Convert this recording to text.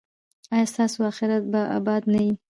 ایا ستاسو اخرت به اباد نه وي؟